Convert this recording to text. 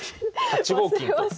８五金と。